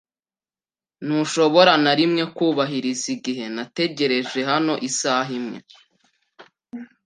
Ntushobora na rimwe kubahiriza igihe? Nategereje hano isaha imwe.